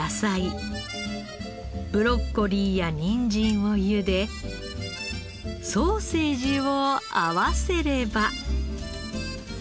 ブロッコリーやにんじんをゆでソーセージを合わせれば。